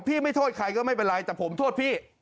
ไม่โทษใครก็ไม่เป็นไรแต่ผมโทษพี่